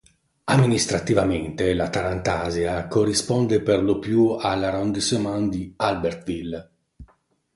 Amministrativamente la Tarantasia corrisponde per lo più all'"arrondissement" di Albertville.